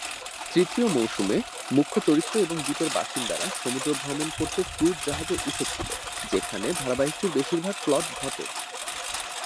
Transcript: তৃতীয় মৌসুমে, মুখ্য চরিত্র এবং দ্বীপের বাসিন্দারা সমুদ্র ভ্রমণ করতে ক্রুজ জাহাজে উঠেছিল, যেখানে ধারাবাহিকটির বেশিরভাগ প্লট ঘটে।